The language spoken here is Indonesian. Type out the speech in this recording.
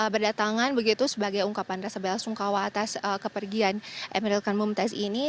berdatangan begitu sebagai ungkapan rasebel sungkawa atas kepergian emeril kanbum tez ini